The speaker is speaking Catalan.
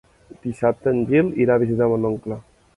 Dissabte en Gil irà a visitar mon oncle.